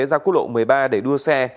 ra quốc lộ một mươi ba để đua xe